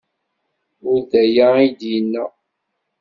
Ur d aya ay d-yenna.